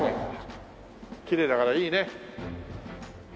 きれいだからいいね。